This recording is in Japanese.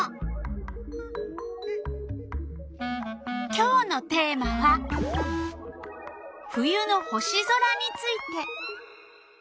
今日のテーマは「冬の星空」について。